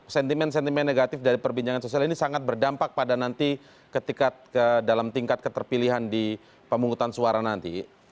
sentimen sentimen negatif dari perbincangan sosial ini sangat berdampak pada nanti ketika dalam tingkat keterpilihan di pemungutan suara nanti